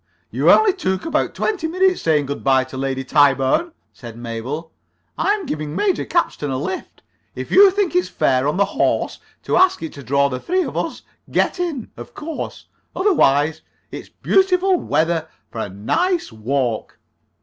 "You only took about twenty minutes saying good by to Lady Tyburn," said Mabel. "I'm giving Major Capstan a lift. If you think it's fair on the horse to ask it to draw the three of us, get in, of course. Otherwise, it's beautiful weather for a nice walk."